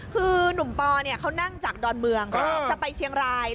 คือหนุ่มปอเขานั่งจากดอนเมืองจะไปเชียงราย